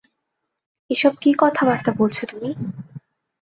এসব কী কথাবার্তা তুমি বলছ?